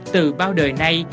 từ bao đời nay